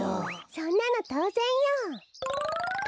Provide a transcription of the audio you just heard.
そんなのとうぜんよ。